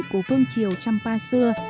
của vương chiều trăm pa xưa